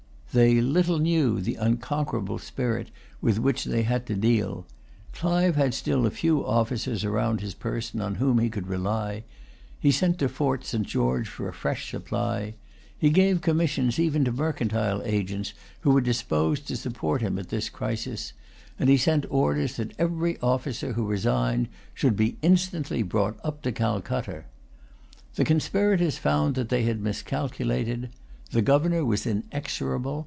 They little knew the unconquerable spirit with which they had to deal. Clive had still a few officers round his person on whom he could rely. He sent to Fort St George for a fresh supply. He gave commissions even to mercantile agents who were disposed to support him at this crisis; and he sent orders that every officer who resigned should be instantly brought up to Calcutta. The conspirators found that they had miscalculated. The governor was inexorable.